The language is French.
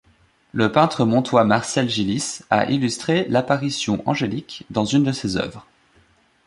Le peintre montois Marcel Gillis a illustré l'apparition angélique dans une de ses œuvres.